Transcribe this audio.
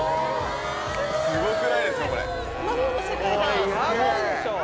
すごくないですか？